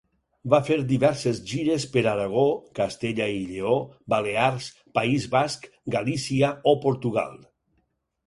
Va fer diverses gires per Aragó, Castella i Lleó, Balears, País Basc, Galícia o Portugal.